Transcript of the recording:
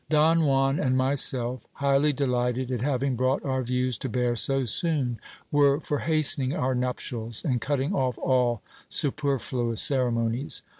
Don Juan and myself, highly delighted at having brought our views to bear so soon, were for hastening our nuptials, and cutting off all superfluous cere monies.